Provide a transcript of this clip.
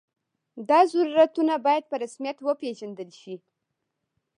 دا ضرورتونه باید په رسمیت وپېژندل شي.